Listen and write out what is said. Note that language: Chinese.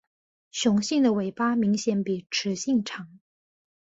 雄性的尾巴明显比雌性长。